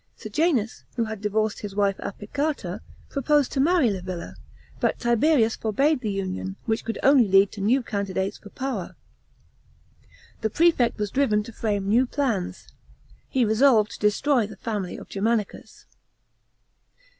Sejanus, who had divorced his wife Apicata, proposed to marry Livilla, but Tiberius forbade the union, which could only lead to new candi dates for power. The prefect was driven to frame new plans. He resolved to destroy the family of Germanicus.